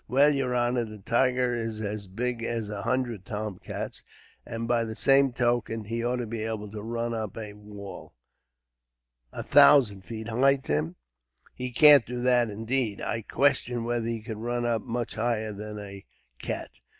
Well, yer honor, the tiger is as big as a hundred tomcats, and by the same token he ought to be able to run up a wall " "A thousand feet high, Tim? He can't do that. Indeed, I question whether he could run up much higher than a cat.